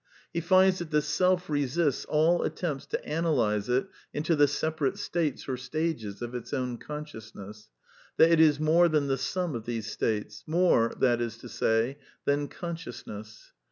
He finds that the Self resists all attempts to analyse it into the separate states or stages of its own consciousness ; that it is more than the sum of these states ; more, that is to say, than consciousness.